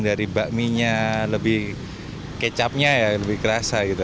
dari bakminya lebih kecapnya ya lebih kerasa gitu